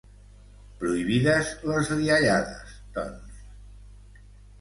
Prohibides les riallades, doncs.